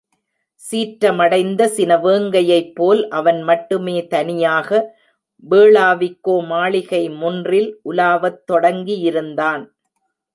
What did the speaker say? சீற்றமடைந்த சினவேங்கையைப்போல் அவன் மட்டுமே தனியாக வேளாவிக்கோ மாளிகை முன்றில் உலாவத் தொடங்கியிருந்தான்.